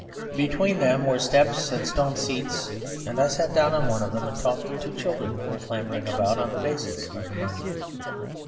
Between them were steps and stone seats, and I sat down on one of them and talked to two children who were clambering about the bases of the monument.